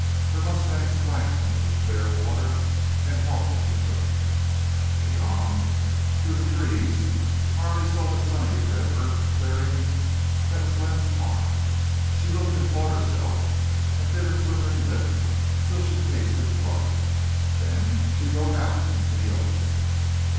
Her mustang splashed into the clear water and halted to drink. Beyond, through the trees, Carley saw the sunny red earthed clearing that was Glenn's farm. She looked, and fought herself, and bit her quivering lip until she tasted blood. Then she rode out into the open.